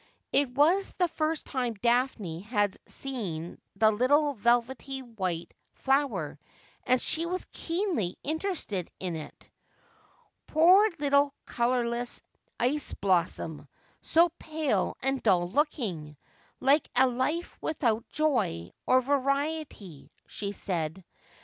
It was the first time Daphne had seen the little velvety white flower, and she was keenly interested in it. ' Poor little colourless ice blossom, so pale and dull looking, like a life without joy or variety !' she said.